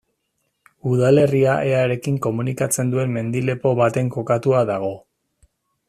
Udalerria Earekin komunikatzen duen mendi-lepo baten kokatua dago.